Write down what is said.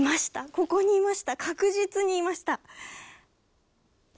ここにいました確実にいました